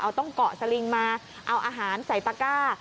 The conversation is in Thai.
เอาต้องเกาะสลิงมาเอาอาหารใส่ตะก้า